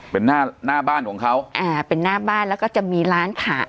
เป็นหน้าหน้าบ้านของเขาอ่าเป็นหน้าบ้านแล้วก็จะมีร้านขาย